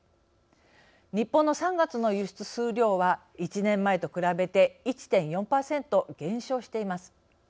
日本の３月の輸出数量は１年前と比べて１．４％減少しています。